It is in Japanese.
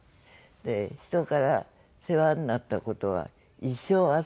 「人から世話になった事は一生忘れるな」。